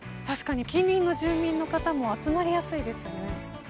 確かに近隣の住民の方も集まりやすいですよね。